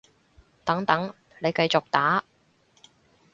等等，你繼續打